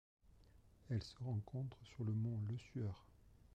Elle se rencontre sur le mont Lesueur.